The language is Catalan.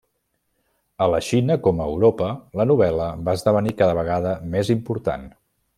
A la Xina, com a Europa, la novel·la va esdevenir cada vegada més important.